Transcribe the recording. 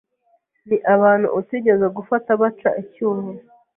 ni abantu utigeze gufata baca icyuho,